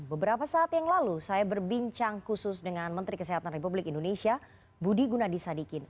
beberapa saat yang lalu saya berbincang khusus dengan menteri kesehatan republik indonesia budi gunadisadikin